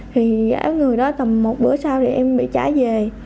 thì gã người đó tầm một bữa sau thì em bị trả về